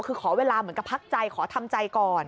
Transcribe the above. คือขอเวลาเหมือนกับพักใจขอทำใจก่อน